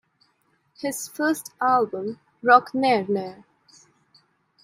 His first album, Rock Ner Ner.